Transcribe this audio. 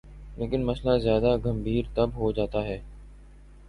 لیکن مسئلہ زیادہ گمبھیر تب ہو جاتا ہے۔